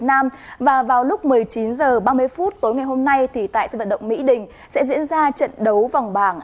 nam và vào lúc một mươi chín h ba mươi phút tối ngày hôm nay thì tại sân vận động mỹ đình sẽ diễn ra trận đấu vòng bảng